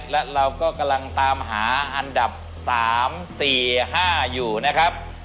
และเราก็กำลังตามหาอันดับ๓๔๕อยู่นะครับ